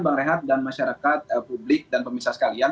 bang rehat dan masyarakat